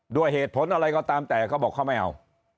ด้วยเหตุผลอะไรก็ตามแต่เขาบอกเขาไม่เอา